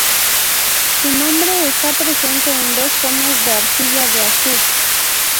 Su nombre está presente en dos conos de arcilla de Assur.